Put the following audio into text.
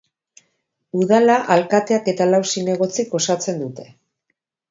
Udala alkateak eta lau zinegotzik osatzen dute.